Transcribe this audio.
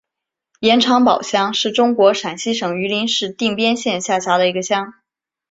盐场堡乡是中国陕西省榆林市定边县下辖的一个乡。